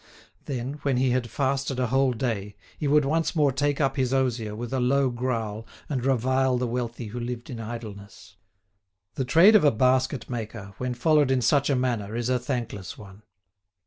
Then, when he had fasted a whole day, he would once more take up his osier with a low growl and revile the wealthy who lived in idleness. The trade of a basket maker, when followed in such a manner, is a thankless one.